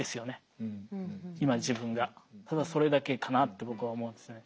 ただそれだけかなって僕は思うんですね。